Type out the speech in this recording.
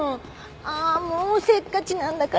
あもうせっかちなんだから。